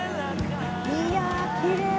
いやあきれい。